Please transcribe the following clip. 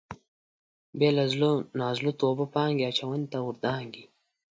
بې له زړه نازړه توبه پانګې اچونې ته ور دانګي.